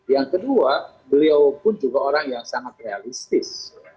yang kedua beliau pun juga orang yang sangat realistis